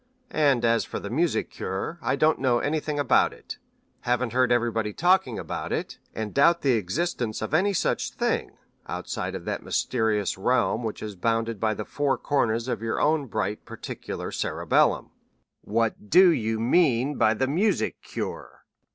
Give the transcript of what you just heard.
"And as for the music cure, I don't know anything about it; haven't heard everybody talking about it; and doubt the existence of any such thing outside of that mysterious realm which is bounded by the four corners of your own bright particular cerebellum. What do you mean by the music cure?"